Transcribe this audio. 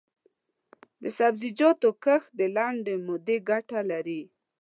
د سبزیجاتو کښت د لنډې مودې ګټه لري.